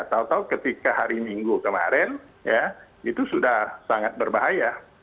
tahu tahu ketika hari minggu kemarin ya itu sudah sangat berbahaya